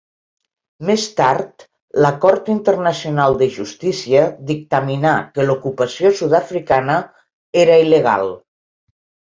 Més tard, la Cort Internacional de Justícia dictaminà que l'ocupació sud-africana era il·legal.